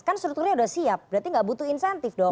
kan strukturnya sudah siap berarti nggak butuh insentif dong